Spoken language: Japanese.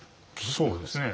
そうですね。